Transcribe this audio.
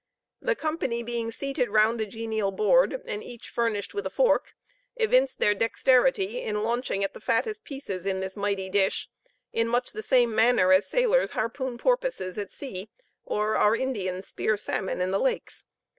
The company being seated round the genial board, and each furnished with a fork, evinced their dexterity in launching at the fattest pieces in this mighty dish in much the same manner as sailors harpoon porpoises at sea, or our Indians spear salmon in the lakes.